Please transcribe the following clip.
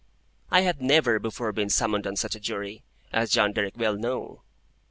I had never before been summoned on such a Jury, as John Derrick well knew.